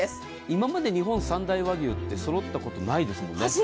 今まで日本三大和牛って揃ったことないですよね。